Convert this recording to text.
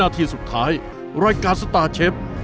นาทีสุดท้ายรายการสตาร์เชฟ